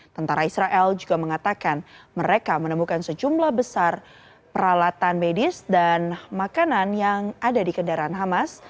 tentara israel juga mengatakan mereka menemukan sejumlah besar peralatan medis dan makanan yang ada di kendaraan hamas